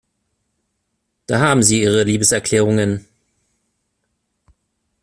Da haben Sie Ihre Liebeserklärungen.